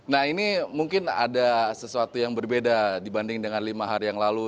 nah ini mungkin ada sesuatu yang berbeda dibanding dengan lima hari yang lalu